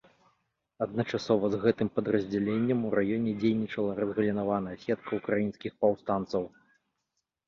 Адначасова з гэтым падраздзяленнем у раёне дзейнічала разгалінаваная сетка ўкраінскіх паўстанцаў.